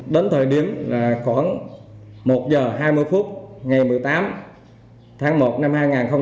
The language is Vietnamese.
đến thời điểm khoảng một h hai mươi phút ngày một mươi tám tháng một năm hai nghìn một mươi sáu